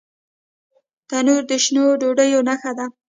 تنور د شنو ډوډیو نښه ده